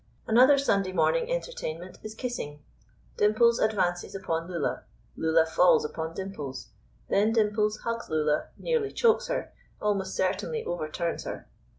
Another Sunday morning entertainment is kissing. Dimples advances upon Lulla. Lulla falls upon Dimples. Then Dimples hugs Lulla, nearly chokes her, almost certainly overturns her.